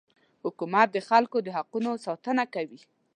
حکومت د خلکو د حقونو ساتنه کوي.